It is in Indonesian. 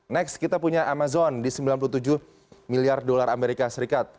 next kita punya amazon di sembilan puluh tujuh miliar dolar amerika serikat